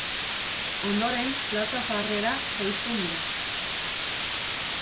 Ondoren Plaza Zaharrera jaisten dira.